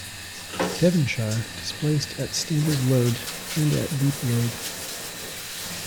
"Devonshire" displaced at standard load and at deep load.